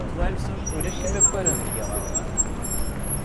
Ulac imakaren deg yiɣrem.